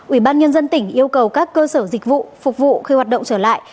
ubnd tỉnh yêu cầu các cơ sở dịch vụ phục vụ khi hoạt động trở lại